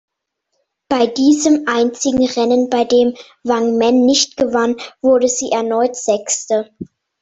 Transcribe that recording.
Bei diesem einzigen Rennen, bei dem Wang Meng nicht gewann, wurde sie erneut Sechste.